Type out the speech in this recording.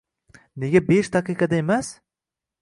- Nega besh daqiqada emas?